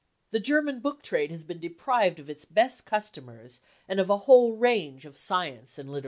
The German book trade has been deprived of its best customers and of a whole range of science and literamre."